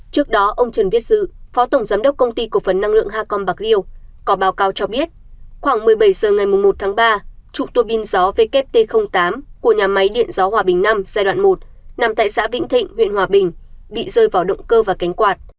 trước đó ông trần viết dự phó tổng giám đốc công ty cổ phấn năng lượng hacom bạc liêu có báo cáo cho biết khoảng một mươi bảy h ngày một tháng ba trụ tùa pin gió wt tám của nhà máy điện gió hòa bình năm giai đoạn một nằm tại xã vĩnh thịnh huyện hòa bình bị rơi vào động cơ và cánh quạt